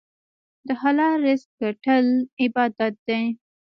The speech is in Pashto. د حلال رزق ګټل عبادت دی.